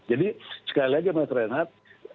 jadi sekali lagi mas renat